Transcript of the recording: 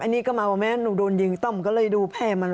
อันนี้ก็มาว่าแม่หนูโดนยิงต่อมก็เลยดูแพร่มาเลย